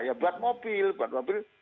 ya buat mobil buat mobil